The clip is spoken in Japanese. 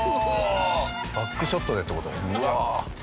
バックショットでって事？